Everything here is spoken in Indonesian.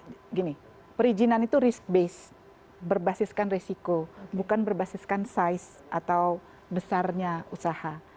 begini perizinan itu risk based berbasiskan resiko bukan berbasiskan size atau besarnya usaha